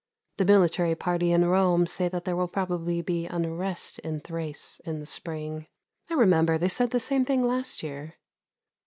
The military party in Rome say that there will probably be unrest in Thrace in the spring. I remember they said the same thing last year.